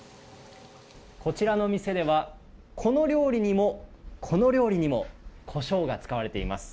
こちらの店ではこの料理にも、この料理にもコショウが使われています。